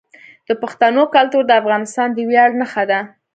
د پښتنو کلتور د افغانستان د ویاړ نښه ده.